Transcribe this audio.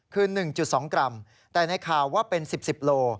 คือ๑๒กรัมแต่ในข่าวว่าเป็น๑๐๑๐โล